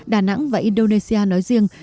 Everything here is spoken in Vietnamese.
đà nẵng và indonesia nói riêng